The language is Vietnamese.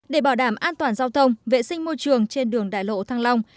để bảo đảm an toàn giao thông vệ sinh môi trường trên đường đại lộ thăng long